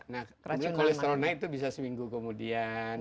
nah kolesterol naik itu bisa seminggu kemudian